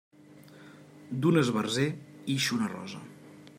D'un esbarzer ix una rosa.